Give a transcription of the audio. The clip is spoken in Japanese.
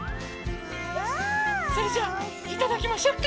それじゃいただきましょうか。